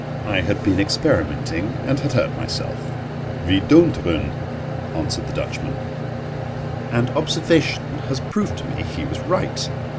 I had been experimenting, and had hurt myself. "We don't run," answered the Dutchman. And observation has proved to me he was right.